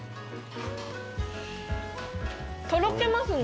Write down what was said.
とろけますね。